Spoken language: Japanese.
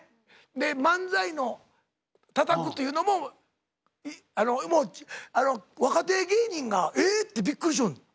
で漫才のたたくというのももう若手芸人が「え！」ってびっくりしよんの。